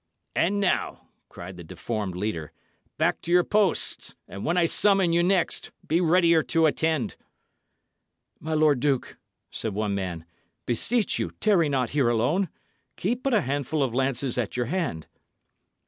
"And now," cried the deformed leader, "back to your posts, and when I summon you next, be readier to attend." "My lord duke," said one man, "beseech you, tarry not here alone. Keep but a handful of lances at your hand."